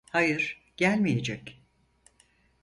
Hayır, gelmeyecek.